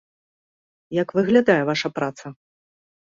Як выглядае ваша праца?